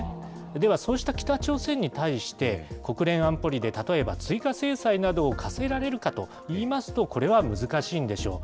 では、そうした北朝鮮に対して、国連安保理で例えば追加制裁などを科せられるかといいますと、これは難しいんでしょう。